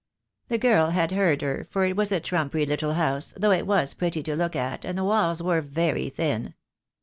The girl had heard her, for it was a trum pery little house, though it was pretty to look at, and the walls were veiy thin.